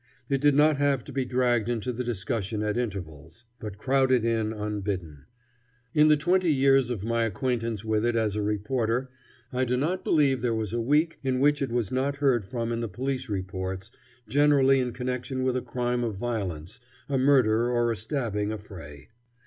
It did not have to be dragged into the discussion at intervals, but crowded in unbidden. In the twenty years of my acquaintance with it as a reporter I do not believe there was a week in which it was not heard from in the police reports, generally in connection with a crime of violence, a murder or a stabbing affray.